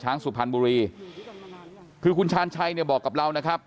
สุพรรณบุรีคือคุณชาญชัยเนี่ยบอกกับเรานะครับ